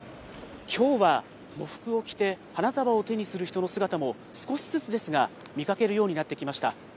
スーツ姿や制服姿の人が目立つんですが、きょうは喪服を着て、花束を手にする人の姿も少しずつですが、見かけるようになってきました。